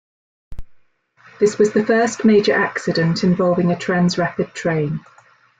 This was the first major accident involving a Transrapid train.